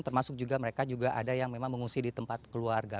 termasuk juga mereka juga ada yang memang mengungsi di tempat keluarga